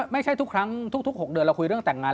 ไม่ใช่ทุกครั้งทุก๖เดือนเราคุยเรื่องแต่งงาน